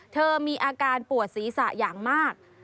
มีอาการปวดศีรษะอย่างมาก